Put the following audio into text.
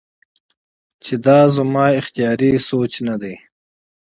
چې دا زما اختياري سوچ نۀ دے